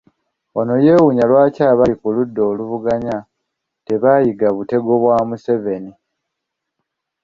Ono yeewuunya lwaki abali ku ludda oluvuganya tebayiga butego bwa Museveni.